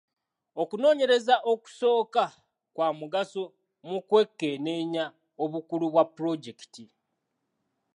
Okunoonyereza okusooka kwa mugaso mu kwekenneenya obukulu bwa pulojekiti.